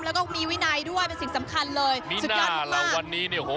แล้วก็มีวินัยด้วยเป็นสิ่งสำคัญเลยมีสุดยอดมาแล้ววันนี้เนี่ยโอ้โห